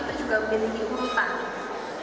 tapi itu juga memilih di urutan